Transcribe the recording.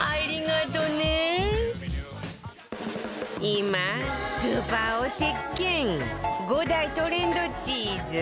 今スーパーを席巻５大トレンドチーズ